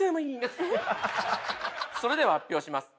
それでは発表します。